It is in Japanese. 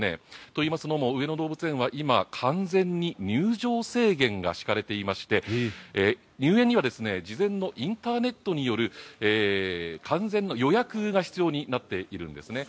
といいますのも上野動物園は今、完全に入場制限が敷かれていまして入園には、事前のインターネットによる完全な予約が必要になっているんですね。